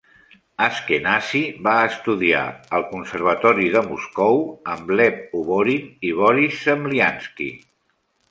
Ashkenazy va estudiar al conservatori de Moscou amb Lev Oborin i Boris Zemliansky.